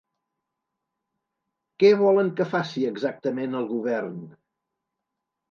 Què volen que faci exactament el govern?